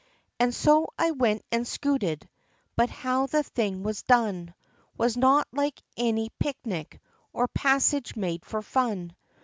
And so I went and scooted, but how the thing was done, Was not like any pic nic, or passage made for fun.